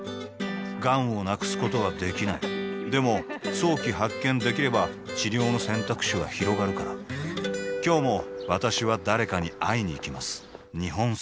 がんを無くすことはできないでも早期発見できれば治療の選択肢はひろがるから今日も私は誰かに会いにいきます